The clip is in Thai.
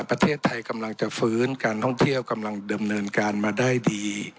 ประเทศไทยกำลังจะฟื้นการท่องเที่ยวกำลังดำเนินการมาได้ดี